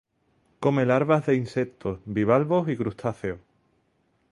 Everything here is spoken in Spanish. Come larvas de insectos, bivalvos y crustáceos.